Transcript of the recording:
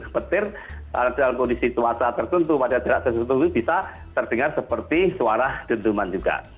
petir pada kondisi tuasa tertentu pada terasa tertentu bisa terdengar seperti suara dentuman juga